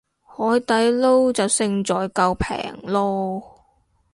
海底撈就勝在夠平囉